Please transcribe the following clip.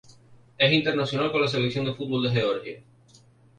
Es internacional con la selección de fútbol de Georgia.